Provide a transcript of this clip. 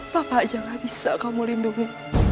bapak aja gak bisa kamu lindungi